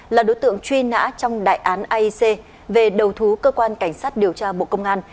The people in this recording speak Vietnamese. là đối tượng truy nã trong đại án aec về đầu thú cơ quan cảnh sát điều tra bộ công an